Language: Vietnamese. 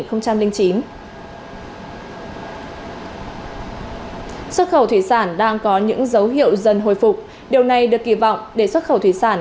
xuất khẩu thủy sản đang có những dấu hiệu dần hồi phục điều này được kỳ vọng để xuất khẩu thủy sản